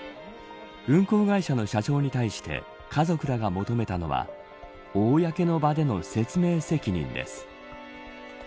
運航会社の社長に対して家族らが求めたのは公の場での説明責任です。